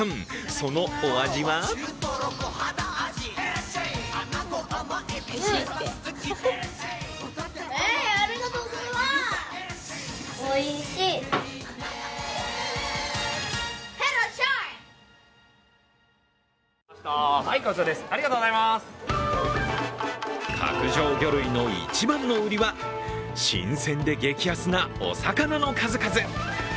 そのお味は角上魚類の一番の売りは新鮮で激安なお魚の数々。